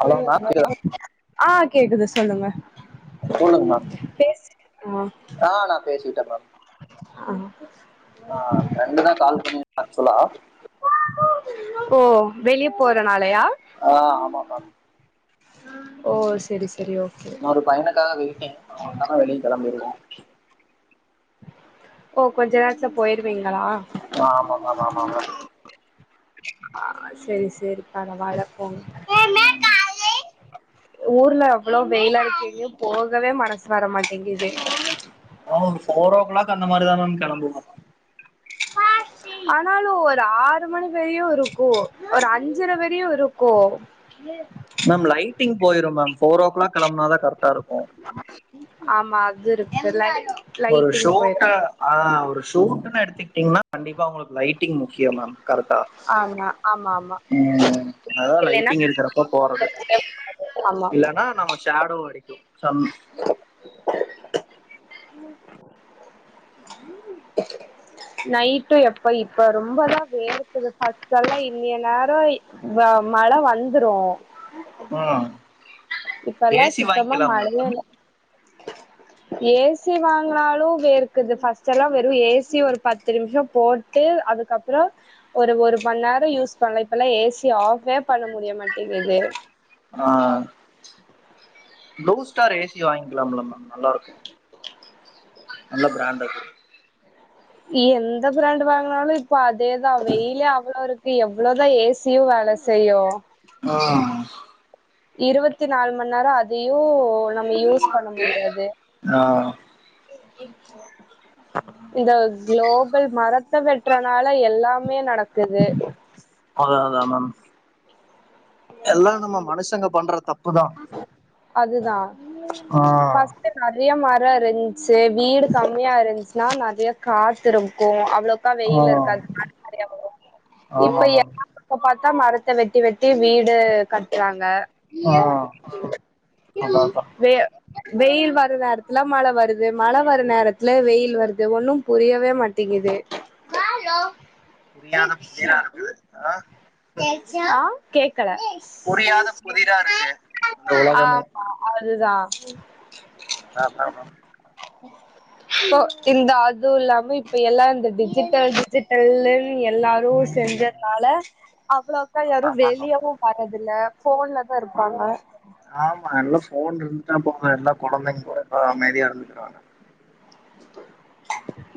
hello ma'am கேக்குதா ஆ கேக்குது சொல்லுங்க சொல்லுங்க மேம் பேஸ் ஆ ஆ நா பேசிட்ட மேம் ஆ ஆ ஃப்ரெண்டு தா கால் பண்ணி ஆக்சுவலா ஓ வெளிய போற நாளையா ஆ ஆமா மேம் ஓ செரி செரி ஓகே ஒரு பையனுக்காக வெயிட்டிங் அவன் வந்தானா வெளிய கெளம்பிருவோ ஓ கொஞ்ச நேரத்ல பொயிருவீங்ளா ஆ ஆமா மேம் ஆமா மேம் ஆ செரி செரிப்பா ஆ நா வளப்போ ஆ ஊர்ல எவ்ளோ வெயில் அடிக்குது போகவே மனசு வர மாட்டேங்குது ஆ ஒரு ஃபோர் ஓ கிளாக் அந்த மாரிதா மேம் கெளம்புவோ ஆ ஆனாலு ஒரு ஆறு மணி வரையு இருக்கு ஒரு அஞ்சர வரையு இருக்கு மேம் லைட்டிங் பொயிரு மேம ஃபோரோ ஓ க்ளாக் கெளம்புனாதா கரெக்டா இருக்கு ஆமா அது இருக்குல்ல ஒரு ஷோட் ஆ ஒரு ஷூட்டுன்னு எடுத்துக்கிட்டீங்ன்னா கண்டிப்பா உங்ளுக்கு லைட் ங் முக்கியோ மேம் கரெக்ட்டா ஆமா ஆமா ஆமா ம் அதா இல்லைன்னா லைட்டிங் இருக்றப்ப போறது ஆமா ஆமா ஆனா நம்ப ஷேடோ அடிக்கு சம் நைட்டு எப்ப இப்ப ரொம்பதா வேர்க்குது பஸ்ட் எல்லா இன்னிய நேரோ வ மழ வந்ரு ம் இப்பல்லா ஏசி சுத்தமா வாங்கிக்கலாம்ல மழையே மேம் இல்ல ஏ சி வாங்னாலு வேர்க்குது பஸ்ட்டெல்லா வெறு ஏ சி ஒரு பத்து நிம்ஷோ போட் டு அதுக்கப்றோ ஒரு ஒரு மண் நோரோ யூஸ் பண்லா இப்பல்லா சி ஆஃபே பண்ண முடிய மாட்டேங்குது ஆ ப்ளூ ஸ்டார் ஏ சி வாய்க்லால்ல மேம் நல்லா இருக்கு நல்ல ப்ராண்டு எந்த ப்ராண்டு வாங்னாலு இப்போ அதேத வெயில்லே அவ்ளோ இருக் கு எவ்ளோ தா ஏ சியு வேல செய்யு ஆ இருவத் நால் மண் நேரோ அதையு நம்ம யூஸ் பண்ண முடியாது ஆ இச் இந்த குளோபல் மரத்த வெட்ற்னால எல்லாமே நடக்குது அத அத மேம் எல்லா நம்ம மனுஷங்க பண்ற தப்புதா ஆ நறைய மரோ இருச்சு வீடு கம்மியா இருச்ன்னா நறைய காத்து இருக்கு அவ்ளோ அவ்ளோக்கா ஆ வெயில் இருக்காது காத்து நறைய போகு இப்ப ஆமா மேம் எல்லா இப்ப பாத்தா மரத்த வெட்டி வெட்டி வீடு கட்றாங்க ஆ அதா அதா வெ வெயில் வர நேரத்ல மழ வருது மழ வர நேரத்ல வெயில் வருது ஒண்ணு புரியவே மாட் டிங்குது புரியாத புதிரா இருக்குது ஆ ஆ கேக்கல புரியாத புதிரா இருக்கு இந்த உலகமே ஆமா அதுதா மேம் ஆமாம் போ இந்த அதுவு இல்லாம இப்ப எல்லா இந்த டிஜிட்டல் டிஜிட்டல்னு எல்லாரு ம் செஞ்சதுனால அவ்ளோக்கா ஆமா யாரு மேம் வெளியவு வர்றதில்ல ஃபோன்லதா இருப்பாங்க ஆமா நல்லா ஃபோன் இருந்துட்டா போது எல்லா கொழந்தைங்க கூட நல்லா அமைதியா இருந்துக்குவாங்க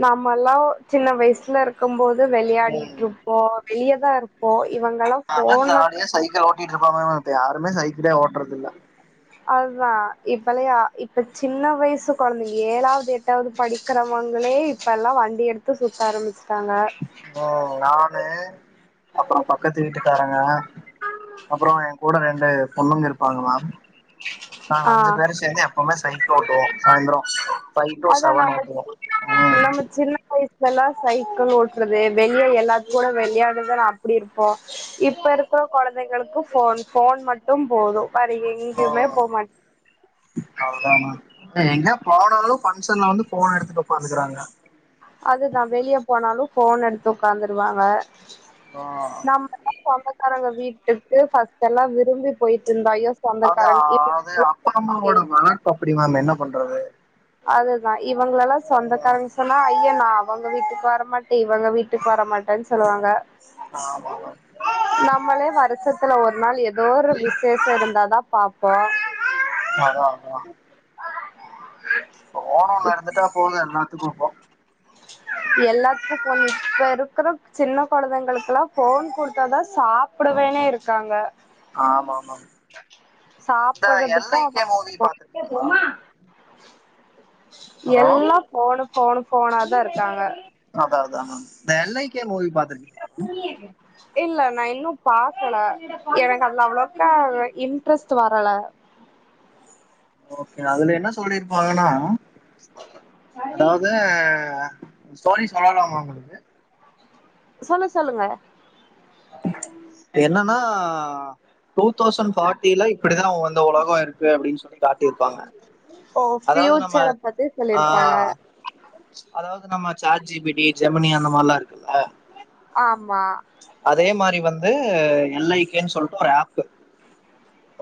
நம்மல்லா சின்ன வயசுல இருக் கும் போது விளையாடிட்டு ம் இருப்போ வெளியேதா இருப்போ இவங்களா ஆனா ஜாலியா சைக்கிள் ஓட்டிட்டு இருப்பா இப்ப யாருமே சைக்கிளே ஓட்டுறதில்ல அதா இப்பல்லையா இப்ப சின்ன வயசு கொழந்தைங்க ஏழாவது எட் டாவது படிக்கிறவங்களே இப்ப எல்லா வண்டி எடுத்து சுத்த ஆரம்பிச்சிட்டாங்க ஓ நானு அப்புறோ ப பக்கத்து வீட்டுக்காரங்க அப்புறோ எ கூட ரெண்டு பொண்ணுங்க இருப்பாங்களா நாங்க அஞ்சு ஆஹ் பேரு சேர்ந்து எப்பவுமே சைக்கிள் ஓட்டுவோ சாயந்தரோ ஃபைவ் டு அதா செவன் நாம ஓட்டுவோ ம் நம்ம சின்ன வயசுலல்லா சைக்கிள் ஓட்டுறது வெளியே எல்லாத்து கூட வெளியாடுத அப்டி இருப்போ இப்ப இருக்குற கொழந்தைங்களுக்கு ஃபோன் ஃபோன் மட்டும் போது வேற எங்கேயுமே போ மாட் அதுதான எங்க போனாலு ஃபங்க்ஷன்ல வந்து ஃபோன எடுத்துட்டு உக்காந்துக்குறாங்க அதுதா வெளிய போனாலு ஃபோன் எடுத்து உக்காந்துருவாங்க ஆ நம்ம சொந்தக்காரங்க வீட்டுக்கு ஃபர்ஸ்ட் எல்லா விரும்பி போயிட்டு இருந்தா ஐயோ அது சொந்தக்காரங்க அது அப்பா இவ் அம்மாவோட வளர்ப்பு அப்டி மேம் என்ன பண்றது அதுதா இவங்களல்லா ம் சொந்தக்காரங்க சொன்னா ஐய நா அவங்க வீட்டுக்கு வரமாட்டே இவங்க வீட்டு க்கு வர மாட்டேன்னு சொல்லுவாங்க ஆமா மேம் நம்மளே வருஷத்துல ஒரு நாள் ஏதோ ஒரு விசேஷம் இருந்தாதா பாப்போ அதா அதா இப்போ ஓனுனு இருந்துட்டா போது எல்லாத்துக்கு இப்போ எல்லாத்துக்கு [unintelligible] இப்ப இருக்குற சின்ன கொழந்தைங்களுக்குல்லா ஃபோன் குடுத்தாதா சாப்பிடுவேனே இருக்காங்க ஆமா மேம் இந்த எல் ஐ சாப்படுறதுக்கா கே மூவி பாத்துருக்கீங்களா அ [inaudible] ஹலோ எல்லா ஃபோனு ஃபோனு ஃபோனாதா இருக்காங்க அதா அதா அ இந்த எல் ஐ கே மூவி பாத்திரிக் [unintelligible] இல்ல நா இன்னு பாக்கல எனக்கு அதுல அவ்ளோக்கா இன்ட்ரெஸ்ட் வரல ஓகே அதுல என்ன சொல்லிருப்பாங்கன்னா அதாவது சொரி செரங்காமா உங்களுக்கு சொல்லு சொல்லுங்க என்னனா டூ தௌசண்ட் ஃபார்ட்டில இப்டிதா அவு வந்த உலக இருக்கு அப்டின்னு சொல்லி காட்டிருப்பாங்க ஓ அதாவது நம்ம ஃபியூச்சர பத்தி ஆ சொல்லிருப்பாங்க அதாவது நம்ம chat G P T Gemini அந்த மாரில்லா இருக்குல்ல ஆமா அதே மாதிரி வந்து எல் ஐ கேன்னு சொல்லிட்டு ஒரு ஆப்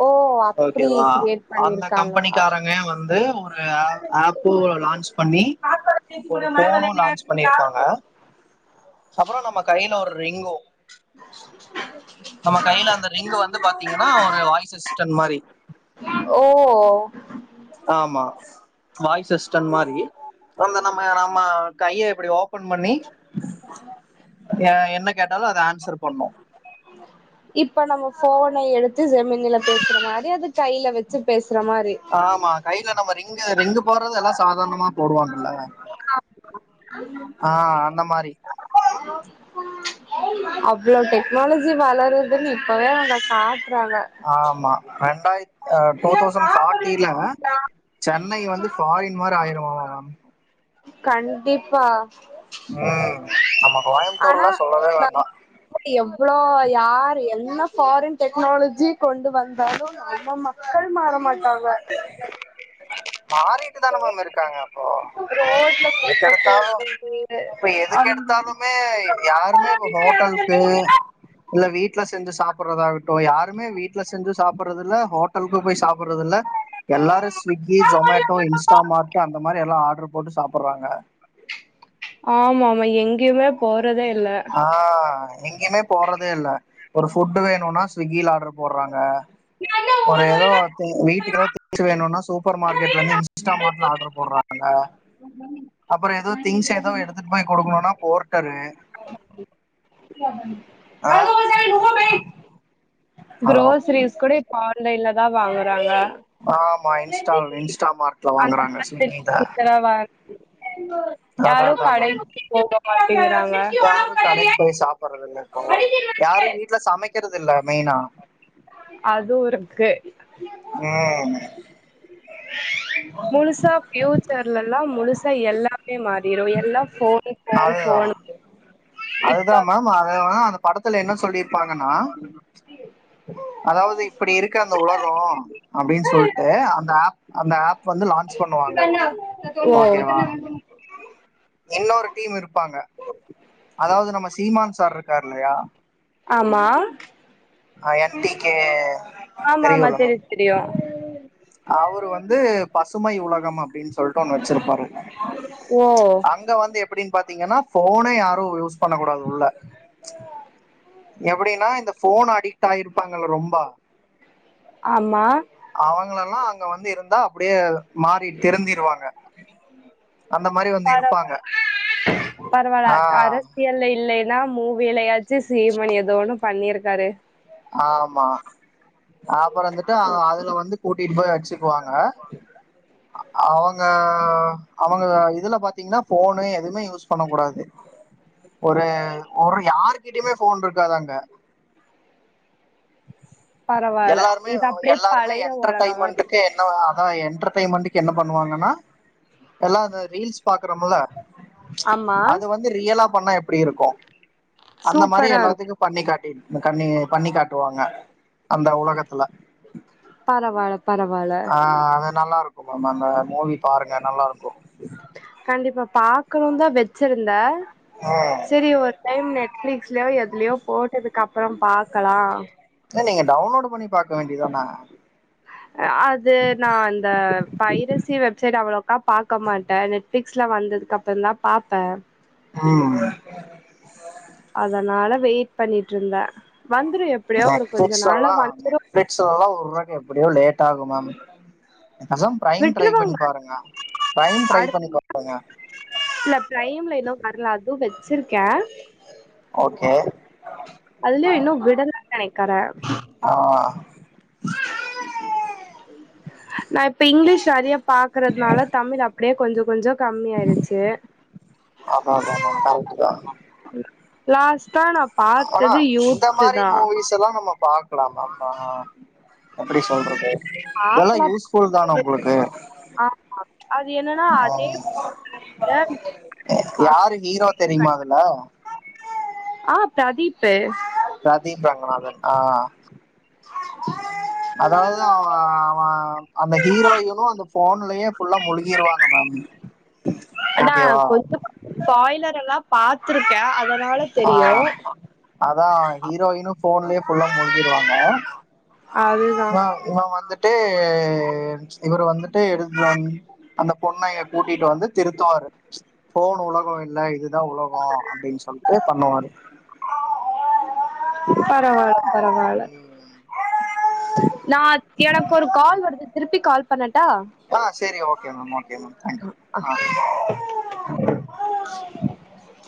ஓ அப்பிடி ஓகேவா கிரியேட் அந்த பண்ணிருக்காங்களா கம்பெனிக்காரங்க வந்து ஒரு அ ஆப்பு லான்ச் பண்ணி ஒரு ஃபோனு லான்ச் பண்ணிருக்காங்க அப்புறோ நம்ம கையில ஒரு ரிங்கு நம்ம கையில அந்த ரிங்கு வந்து பாத்தீங்கன்னா ஒரு வாய்ஸ் அசிஸ்டன் மாரி ஓ ஆமா வாய்ஸ் அசிஸ்டன்ட் மாரி ஒன்னு நம்ம நம்ம கைய இப்டி ஓப ஃபோன் பண்ணி எ என்ன கேட்டாலு அத ஆன்சர் பண்ணூ இப்ப நம்ம ஃபோன எடுத்து ஜெமினில பேசுற மாரி அது கையில வச்சு பேசுற மாரி ஆமா கையில நம்ம ரிங்கு ரிங்கு போடுறது எல்லா சாதாரணமா போடுவாங்கல்ல ஆ மா ஆ அந்த மாரி அவ்ளோ டெக்னாலஜி வளருதுன்னு இப்பவே அவுங்க சா [unintelligible] றாங்க ஆமா ரெண்டாய டூ தௌசண்ட் ஃபார்ட்டில சென் னை வந்து ஃபாரின் மாரி ஆயிருமாமா மேம் கண்டிப்பா ம் நம்ம ஆனா கோயம்புத்தூர்லா சொல்லவே வேண்டா நம் எவ்ளோ யார் என்ன ஃபாரின் டெக்னாலஜி கொண்டு வந்தாலு நம்ம மக்கள் மாற மாட்டாங்க மாறிட்டு தானே மேம் இருக்காங்க அப்போ ரோட்ல குப்ப எதுக்கெடுத்தாலு போடுறது இப்ப அந்த எதுக்கெடுத்தாலுமே யாருமே இப்போ ஹோட்டலுக்கு இல்ல வீட்ல செஞ்சு சாப்றதாகட்டு யாருமே வீட்ல செஞ்சு சாப்படுறதுல்ல ஹோட் ட்டலுக்கு போயி சாப்டுறதுல்ல எல்லாரு ஸ்விக்கி சொமேட்டோ இன்ஸ்டா மார்ட் அந்த மாரி எல்லா ஆட்ரு போட்டு சாப்டுறாங்க ஆமா ஆமா எங்கேயுமே போறதே இல்ல ஆ எங்கேயுமே போறதே இல்ல ஒரு ஃபுட் வேணுனா ஸ்விக்கியில ஆட்ரு போடுறாங்க ஒரு ஏதோ வீட்டுக்குதோ திங் க்ஸ் வேணுனா சூப்பர் மார்கெட்ல இருந்து இன்ஸ்ட மாட்ல ஆட்ரு போடுறாங்க அப்றோ ஏதோ திங்ஸ் ஏதோ எடுத்துட்டு போயி குடுக்கணுனா போர்டரு ஆ ஹலோ குரோசரீஸ் கூட இப்ப ஆன்லைன்ல தா வாங்குறாங்க ஆமா இன்ஸ்டால் இன்ஸ்டா மார்ட்ல வாங்கறாங்க ஸ்விக்கில அதான் யாரு அதான் மேம் கடைக்கு போகமாட்டேங்கிறாங்க யாரு கடைக்கு போயி சாப்படுறது இல்ல இப்போ யாரு வீட்ல சமைக்கறது இல்ல மெயினா அதுவு இருக்கு எ முழுசா ஃபியூச்சர்லல்லா முழுசா எல்லாமே மாற் இரவு எல்லா ஃபோனு ஃபோனு அதுதா ஃபோனு அதுதா மேம் அதது அந்த படத்துல என்ன சொல்லியிருப்பாங்கனா அதாவது இப்புடி இருக்க அந்த உலகோ அப்டின் சொல்ட்டு அந்த ஆப் அந்த ஆப் வந்து லான்ச் பண்ணுவாங்க ஓ ஓகேவா இன்னொரு டீம் இருப்பாங்க அதாவது நம்ம சீமான் சார் இருக்காரு இல்லையா ஆமா அ ‌என் டி கே ஆமா ஆமா தெரியுல்லுங்கோ தெரியு தெரியு அவுரு வந்து பசுமை உலகம் அப்டின்னு சொல்ட்டு ஒண்ணு வெச்சிருப்பாரு ஓ இங்க வந்து எப்டின்னு பாத்தீங்கனா ஃபோனே யாரு யூஸ் பண்ண கூடாது உள்ள எப்டினா இந்த ஃபோன் அடிக்ட் ஆயிருப்பாங்கல்ல ரொம்பா ஆமா அவங்களெல்லா அங்க வந்து இருந்தா அப்டியே மாறி திருந்திருவாங்க அந்த மாரி வந்து இருப்பாங்க பரவால அ ஆஹ் அரெஸ் சியல்ல இல்லைனா மூவிலயாச்சு சீமான் ஏதோ ஒன்னு பண்ணியிருக்காரு ஆமா அப்பரோ வந்துட்டு அதுல வந்து கூட்டிட்டு போய் வெச்சுக்குவாங்க அவங்க அவங்க இதுல பாத்தீங்கன்னா ஃபோனு எதுமே யூஸ் பண்ண கூடாது ஒரு ஒரு யாருகிட்டயுமே ஃபோன் இருக்காது அங்க பரவால்ல எல்லாருமே இது அப்டியே எல்லாருமே பழைய உலக மாரி என்டர்டைமென்ட்க்கு என்ன அதா என்டர்டைமென்ட்க்கு என்ன பண்ணுவாங்கன்னா எல்லா அந்த ரீல்ஸ் பாக்குறோமுல்ல ஆமா அது வந்து வந்து ரியலா பண்ணா எப்டி இருக்கு அந்த மாரி சூப்பரா இருக்கு எல்லாத்துக்கு பண்ணி காட்டிட் கண்ணி பண்ணி காட்டுவாங்க அந்த உலகத்துல பரவால்ல பரவால்ல ஆ அது நல்லாருக்கு ஆமா மேம் அந்த மூவி பாருங்க நல்லாருக்கு கண்டிப்பா பாக்குணுன்தா வெச்சிருந்தே ம் செரி ஒரு டைம் நெட்ஃபிளிக்ஸ்லியோ எதுலயோ போட்டதுக்கு அப்ரோ பாக்கலா ஏ‌ நீங்க டவுன்லோட் பண்ணி பாக்க வேண்டிதான அது நா அந்த பைரசி வெப்சைட் அவ்ளோவுக்கா பாக்க மாட்டே நெட் நெட்ஃபிக்ஸ்ல வந்ததுக்கப்புறந் தா பாப்பே ம் அதனால வெயிட் பண்ணிட்டு இருந்தே வந்துரு எப் நெட்ஃபிளிக்ஸ்லல்லா நெட்ஃபிளிக்ஸ்லல்லா வுடரக்கு எப்டியு லேட் ஆகு மேம் பேசாம ப்ரைம் ட்ரை பண்ணி விட்ருவாங்க பாருங்க ப்ரைம் ட்ரை அடுத்து பண்ணி பாருங்க இல்ல ப்ரைம்ல இன்னு வரல அது வெச்சிருக்கே ஓகே அதுலயு இன்னு விடலைன் நெனைக்கறே ஆ நா இப்ப இங்கிலீஷ் நெறைய பாக்கறத்னால தமிழ் அப்டியே கொஞ்சொ கொஞ்சொ கம்மி ஆயிருச் அதா அதா அதா கரெக்ட்டு தா லாஸ்ட்டா நா பாத்தது யூத்துதா இதெல்லா நம்ம பாக்கலாமாபா எப்டி சொல்றது இதெல்லாம் பாக்கலா யூஸ்ஃபுல் தான உங்களுக்கு [inaudible] ஆ அது என்னன்னா அதே [inaudible] [unintelligible] யாரு ஹீரோ தெரியுமா அதுல ஆ பிரதீப்பு பிரதீப் ரங்கநாதன் ஆ அதாவது அவே அவ அந்த ஹீரோயினு அந்த ஃபோன்லயே ஃபுல்லா முழுகிருவாங்க மேம் அதா ஓகேவா கொஞ்சோ கொஞ்சோ பாயிலர் எல்லா பாத்துருக்கே அத ஆ அதா ஹீரோயினு ஃபோன்லயே ஃபுல்லா மூழ்கிருவாங்க அதுதா ஆனா இவே வந்துட்டு இவரு வந்துட்டு எடுத்துட் வந் அந்த பொண்ணய கூட்டிட்டு வந்து திருத்துவாரு ஃபோனு உலகோ இல்ல இதுதா உலகோ அப்டின் சொல்லிட்டு பண்ணுவாரு பரவால்ல பரவால்ல ம் நா எனக்கு ஒரு கால் வருது திருப்பி கால் பண்ணட்டா ஆ சேரி okay ma'am okay ma'am thank you அ [inaudible]